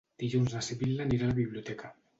Dilluns na Sibil·la anirà a la biblioteca.